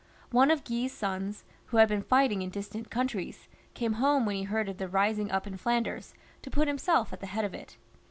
One of Guy's sons, who had been fighting in distant countries, came home when he heard of the rising up in Flanders, to put himself at the head of it.